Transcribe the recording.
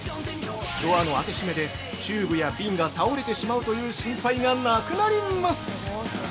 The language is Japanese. ドアの開け閉めでチューブや瓶が倒れてしまうという心配がなくなります。